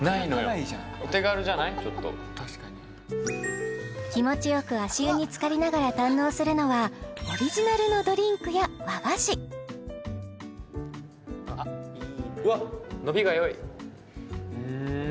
ちょっと確かに気持ちよく足湯につかりながら堪能するのはオリジナルのドリンクや和菓子わっうーん